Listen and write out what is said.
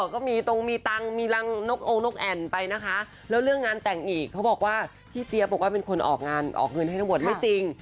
ก็มีตรงมีตังค์มีรังนกองค์นกแอ่นไปนะคะแล้วเรื่องงานแต่งอีกเขาบอกว่าพี่เจี๊ยบบอกว่าเป็นคนออกงานออกเงินให้ทั้งหมดไม่จริง